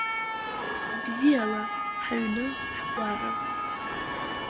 Бзиала, ҳаҩны, ҳгәара…